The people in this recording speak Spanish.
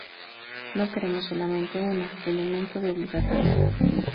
No queremos solamente una: elemento de obligatoriedad.